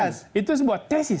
kesimpulan itu sebuah tesis